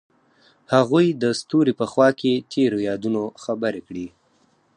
هغوی د ستوري په خوا کې تیرو یادونو خبرې کړې.